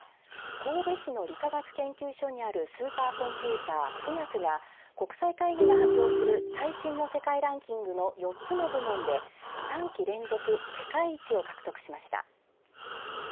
神戸市の理化学研究所にあるスーパーコンピューター、富岳が国際会議が発表する最新の世界ランキングの４つの部門で３期連続世界一を獲得しました。